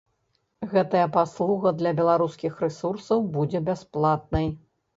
Гэтая паслуга для беларускіх рэсурсаў будзе бясплатнай.